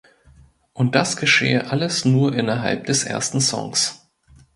Und das geschehe alles nur innerhalb des ersten Songs.